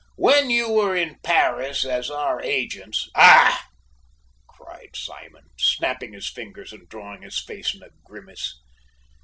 When you were in Paris as our agent " "Fah!" cried Simon, snapping his fingers and drawing his face in a grimace.